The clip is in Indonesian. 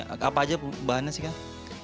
apa aja bahannya sih kang